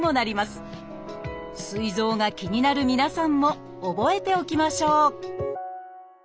すい臓が気になる皆さんも覚えておきましょう